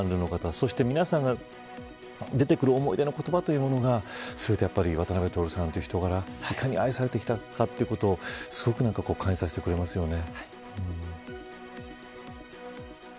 そして、皆さんから出てくる思い出の言葉というものが全て渡辺徹さんという人柄いかに愛されてきたかということを感じさせてくれますよね。